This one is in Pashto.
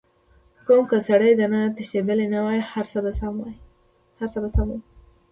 حم که سړی درنه تښتېدلی نه وای هرڅه به سم وو.